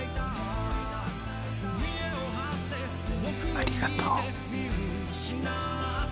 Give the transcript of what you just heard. ありがとう。